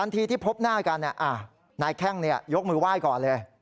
ทีที่พบหน้ากันนายแข้งยกมือไหว้ก่อนเลย